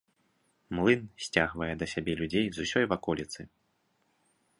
Млын сцягвае да сябе людзей з усёй ваколіцы.